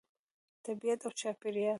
طبیعت او چاپیریال